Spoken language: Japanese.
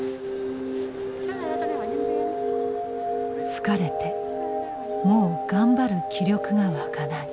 「疲れてもう頑張る気力が湧かない」。